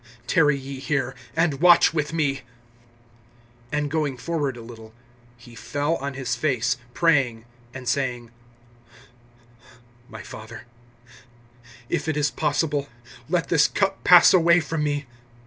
Tarry ye here, and watch with me. (39)And going forward a little, he fell on his face, praying, and saying: My Father, if it is possible, let this cup pass away from me.